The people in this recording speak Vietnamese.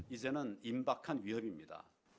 hãy đăng ký kênh để nhận thông tin nhất